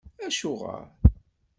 Acuɣer?